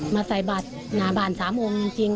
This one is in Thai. มาใส่บาทหนาบาล๓องค์จริง